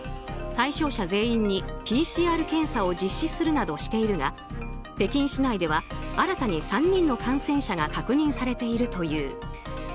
対象者全員にＰＣＲ検査を実施するなどしているが北京市内では新たに３人の感染者が確認されているという。